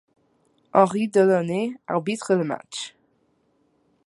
Henri Delaunay arbitre le match.